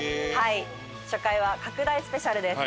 初回は拡大スペシャルです。